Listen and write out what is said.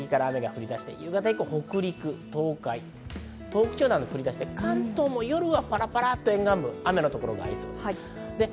西日本から昼過ぎから雨が降り出して夕方以降、北陸、東海、東北地方などに降り出して、関東も夜はパラパラと沿岸部、雨のところがありそうです。